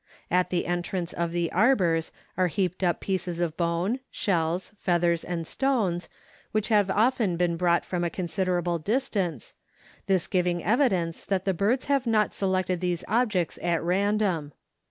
At the entrance of the arbors are heaped up pieces of bone, shells, feathers, and stones, which have often been brought from a considerable distance, this giving evidence that the birds have not selected these objects at random.